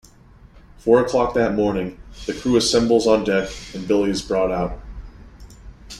Four o'clock that morning, the crew assembles on deck, and Billy is brought out.